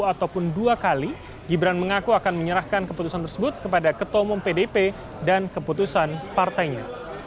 ataupun dua kali gibran mengaku akan menyerahkan keputusan tersebut kepada ketua umum pdp dan keputusan partainya